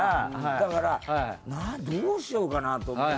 だからどうしようかなと。